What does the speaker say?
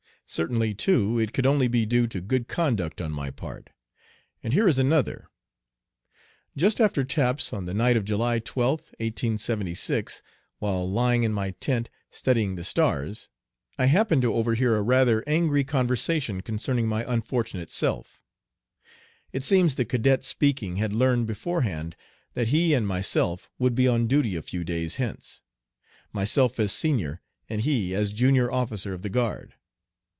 Certainly, too, it could only be due to good conduct on my part. And here is another. Just after taps on the night of July 12th, 1876, while lying in my tent studying the stars, I happened to overhear a rather angry conversation concerning my unfortunate self. It seems the cadet speaking had learned beforehand that he and myself would be on duty a few days hence, myself as senior and he as junior officer of the guard.